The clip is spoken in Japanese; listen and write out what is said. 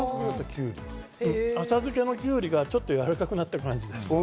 浅漬けのキュウリがちょっとやわらかくなった感じです。